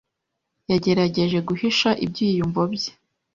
Yagerageje guhisha ibyiyumvo bye.